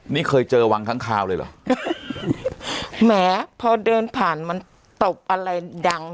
นี่เคยเจอวังข้างคาวเลยเหรอแหมพอเดินผ่านมันตบอะไรดัง